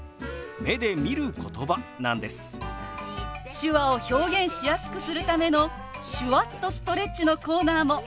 手話を表現しやすくするための「手話っとストレッチ」のコーナーも。